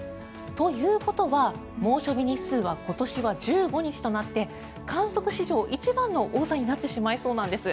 ということは、猛暑日日数は今年は１５日となって観測史上１番の多さになってしまいそうなんです。